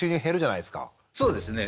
そうですね。